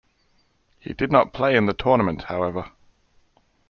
He did not play in the tournament, however.